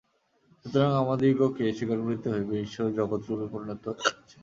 সুতরাং আমাদিগকে স্বীকার করিতেই হইবে, ঈশ্বরই জগৎরূপে পরিণত হইয়াছেন।